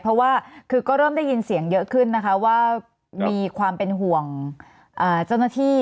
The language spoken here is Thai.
เพราะว่าคือก็เริ่มได้ยินเสียงเยอะขึ้นนะคะว่ามีความเป็นห่วงเจ้าหน้าที่